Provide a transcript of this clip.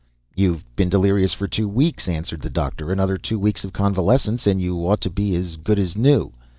_" "You've been delirious for two weeks," answered the doctor. "Another two weeks of convalescence and you ought to be as good as new."